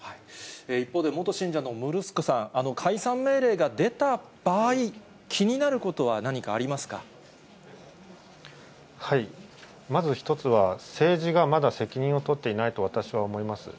一方で、元信者のもるすこさん、解散命令が出た場合、気になることは何かまず１つは、政治がまだ責任を取っていないと、私は思います。